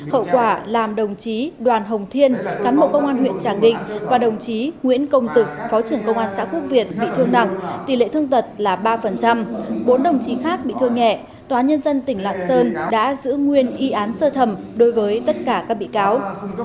hậu quả làm đồng chí đoàn hồng thiên cán bộ công an huyện tràng định và đồng chí nguyễn công dực phó trưởng công an xã quốc việt bị thương nặng tỷ lệ thương tật là ba bốn đồng chí khác bị thương nhẹ tòa nhân dân tỉnh lạng sơn đã giữ nguyên y án sơ thẩm đối với tất cả các bị cáo